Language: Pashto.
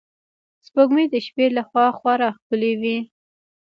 سپوږمۍ د شپې له خوا خورا ښکلی وي